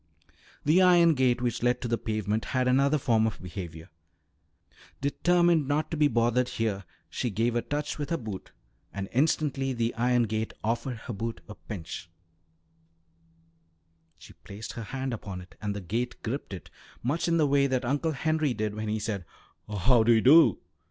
The iron gate which led to the pavement had another form of behaviour. Determined not to be bothered here, she gave a touch with her boot, and instantly the iron gate offered her boot a pinch; she placed her hand upon it and the gate gripped it, much in the way that Uncle Henry did when he said "How do you do?"